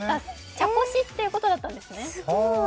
茶こしということだったんですね。